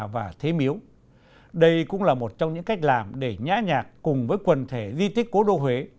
và thế miếu đây cũng là một trong những cách làm để nhã nhạc cùng với quần thể di tích cố đô huế